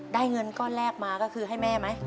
เงินก้อนแรกมาก็คือให้แม่ไหม